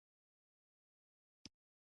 تاریخ د خپل ولس د سترو کسانو يادښت دی.